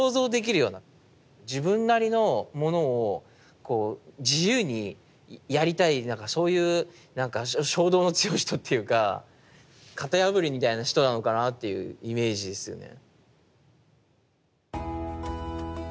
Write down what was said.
自分なりのものを自由にやりたいそういうなんか衝動の強い人っていうか型破りみたいな人なのかなっていうイメージですよね。